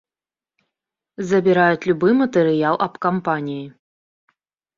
Забіраюць любы матэрыял аб кампаніі.